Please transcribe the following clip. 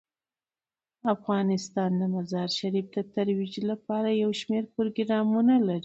افغانستان د مزارشریف د ترویج لپاره یو شمیر پروګرامونه لري.